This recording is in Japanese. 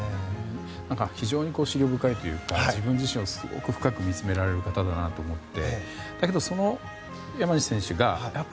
非常に思慮深いというか自分自身をすごく深く見つめられる方だなと思って。